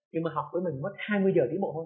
nhưng mà học với mình mất hai mươi giờ tiến bộ thôi